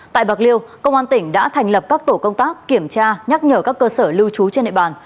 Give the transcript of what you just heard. tại bạc liêu công an tỉnh đã thành lập các tổ công tác kiểm tra nhắc nhở các cơ sở lưu trú trên địa bàn